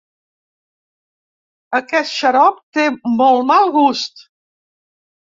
Aquest xarop té molt mal gust.